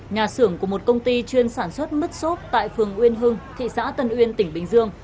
nhà xưởng của một công ty chuyên sản xuất mứt xốp tại phường uyên hưng thị xã tân uyên tỉnh bình dương